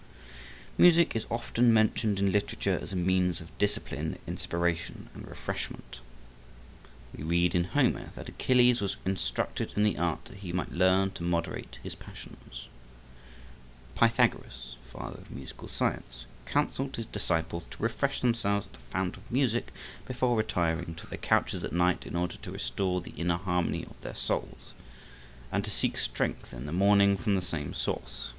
Music is often mentioned in literature as a means of discipline, inspiration and refreshment. We read in Homer that Achilles was instructed in the art that he might learn to moderate his passions; Pythagoras, father of Musical Science, counseled his disciples to refresh themselves at the fount of music before retiring to their couches at night in order to restore the inner harmony of their souls, and to seek strength in the morning from the same source.